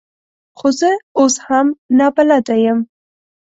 خو زه اوس هم نابلده یم .